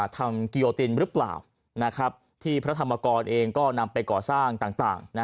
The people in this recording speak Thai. ทำกิโยตินหรือเปล่าที่พระธรรมกรเองก็นำไปก่อสร้างต่าง